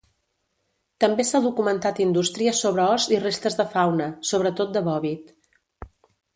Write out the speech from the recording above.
També s'ha documentat indústria sobre os i restes de fauna, sobretot de bòvid.